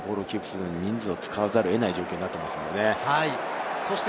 イタリア代表の選手たちがボールをキープするのに人数を使わざるを得ない状況になっていますね。